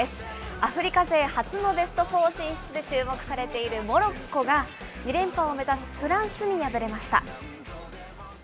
アフリカ勢初のベストフォー進出で注目されているモロッコが、２連覇を目指すフランスに敗れました。